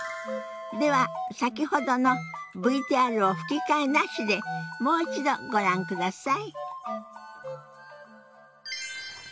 では先ほどのＶＴＲを吹き替えなしでもう一度ご覧ください。